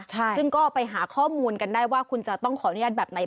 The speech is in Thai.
ซึ่งก็ไปหาข้อมูลกันได้ว่าคุณจะต้องขออนุญาตแบบไหน